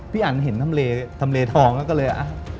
พี่อันเห็นทำเลทองแล้วก็เลย